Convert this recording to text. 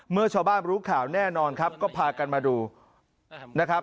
เมื่อชาวบ้านรู้ข่าวแน่นอนครับก็พากันมาดูนะครับ